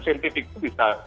sientifik itu bisa